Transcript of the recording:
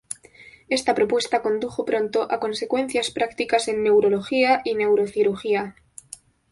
Esta propuesta condujo pronto a consecuencias prácticas en neurología y neurocirugía.